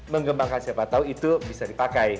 mengembangkan siapa tahu itu bisa dipakai